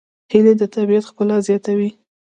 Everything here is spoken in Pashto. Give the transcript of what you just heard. هیلۍ د طبیعت ښکلا زیاتوي